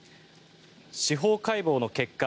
司法解剖の結果